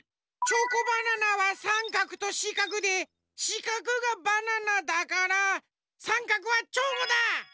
チョコバナナはさんかくとしかくでしかくがバナナだからさんかくはチョコだ！